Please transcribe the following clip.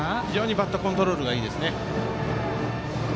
バットコントロールが非常にいいですね。